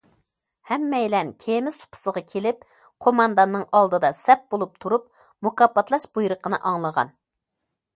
ھەممەيلەن كېمە سۇپىسىغا كېلىپ قومانداننىڭ ئالدىدا سەپ بولۇپ تۇرۇپ مۇكاپاتلاش بۇيرۇقىنى ئاڭلىغان.